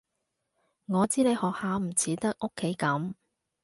我知你學校唔似得屋企噉